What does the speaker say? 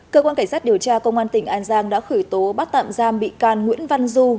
cơ quan cảnh sát điều tra công an tỉnh an giang đã khởi tố bắt tạm giam bị can nguyễn văn du